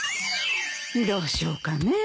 どうしようかね。